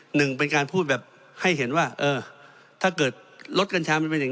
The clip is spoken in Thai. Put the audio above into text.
หนึ่งเป็นการพูดแบบให้เห็นว่าเออถ้าเกิดลดกัญชามันเป็นอย่าง